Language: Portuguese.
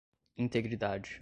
integridade